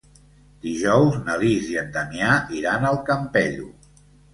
Dijous na Lis i en Damià iran al Campello.